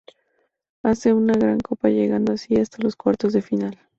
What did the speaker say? Hace una gran copa llegando así hasta los cuartos de final.